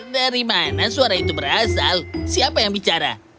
dari mana suara itu berasal siapa yang bicara